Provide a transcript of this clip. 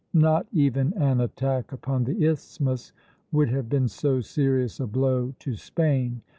Not even an attack upon the isthmus would have been so serious a blow to Spain.